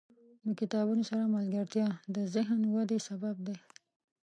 • د کتابونو سره ملګرتیا، د ذهن ودې سبب دی.